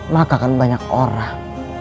maka akan banyak orang